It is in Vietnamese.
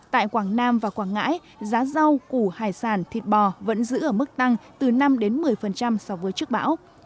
tại quảng nam và quảng ngãi giá rau củ hải sản thịt bò vẫn giữ ở mức tăng từ năm một mươi so với trước bão